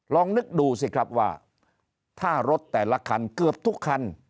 ลองนึกดูสิครับว่าถ้ารถแต่ละคันเกือบทุกคัน